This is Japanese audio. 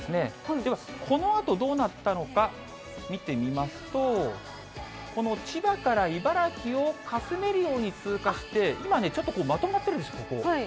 では、このあとどうなったのか見てみますと、この千葉から茨城をかすめるように通過して、今ね、ちょっとまとまってるんです、ここ。